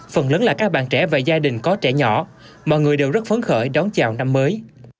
phần lớn là các bạn trẻ và gia đình có trẻ nhỏ mọi người đều rất phấn khởi đón chào năm mới